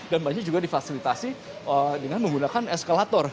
dan banyak juga difasilitasi dengan menggunakan eskalator